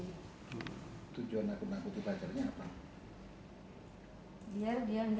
tujuan nakuti pacarnya apa